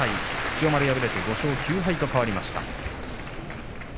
千代丸、敗れて５勝９敗と変わりました。